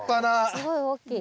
すごい大きい。